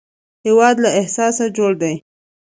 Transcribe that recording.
هېواد له احساس جوړ دی